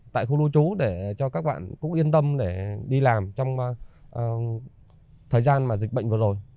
tại khu lưu trú để cho các bạn cũng yên tâm để đi làm trong thời gian mà dịch bệnh vừa rồi